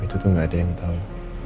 itu tuh gak ada yang tahu